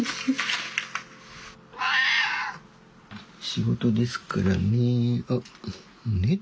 仕事ですからね。